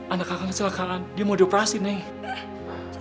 anak kakak ngesela kakak dia mau dioperasi neng